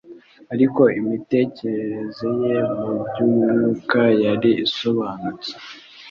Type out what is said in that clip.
Ariko imitekerereze ye, mu by'umwuka yari isobanutse